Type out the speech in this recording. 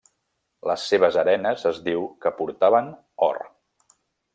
Les seves arenes es diu que portaven or.